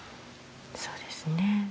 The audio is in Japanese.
そうですね。